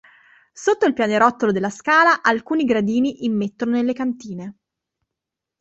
Sotto il pianerottolo della scala, alcuni gradini immettono nelle cantine.